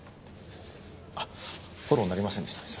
あっフォローになりませんでしたね。